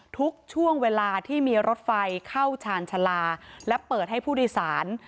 ทุกช่วงเวลาที่มีรถไฟเข้าชาญชาลาและเปิดให้ผู้โดยสาร